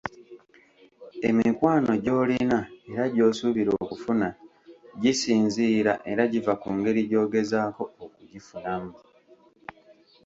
Emikwano gy’olina era gy’osuubira okufuna gisinziira era giva ku ngeri gy’ogezaako okugifunamu.